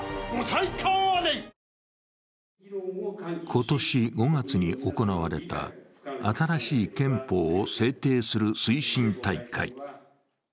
今年５月に行われた新しい憲法を制定する推進大会。